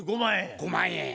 ５万円や。